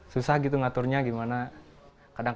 soalnya rambutnya panjang